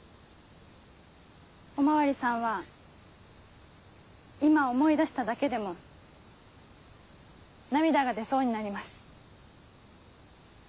お巡りさんは今思い出しただけでも涙が出そうになります。